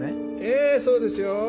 えそうですよ。